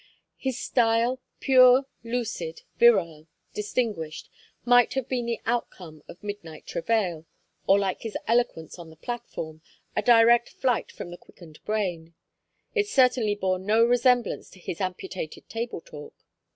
His style, pure, lucid, virile, distinguished, might have been the outcome of midnight travail, or, like his eloquence on the platform, a direct flight from the quickened brain. It certainly bore no resemblance to his amputated table talk.